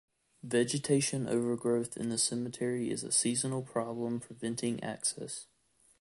Vegetation overgrowth in the cemetery is a seasonal problem preventing access.